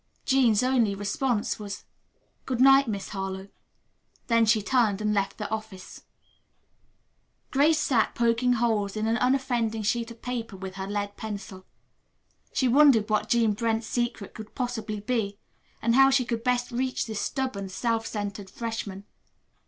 Jean's only response was, "Good night, Miss Harlowe." Then she turned and left the office. Grace sat poking holes in an unoffending sheet of paper with her lead pencil. She wondered what Jean Brent's secret could possibly be, and how she could best reach this stubborn, self centered freshman.